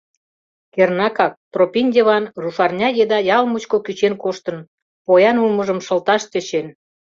Кернакак, Тропин Йыван рушарня еда ял мучко кӱчен коштын, поян улмыжым шылташ тӧчен.